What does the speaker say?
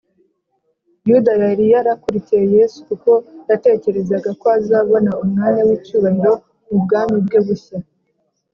yuda yari yarakurikiye yesu kuko yatekerezaga ko azabona umwanya w’icyubahiro mu bwami bwe bushya